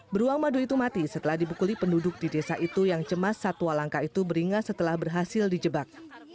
beruang madu itu mati setelah dibukuli penduduk di desa itu yang cemas satwa langka itu beringas setelah berhasil dijebak